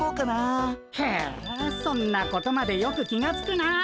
へえそんなことまでよく気がつくなあ。